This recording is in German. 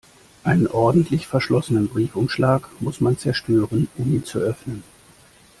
Einen ordentlich verschlossenen Briefumschlag muss man zerstören, um ihn zu öffnen.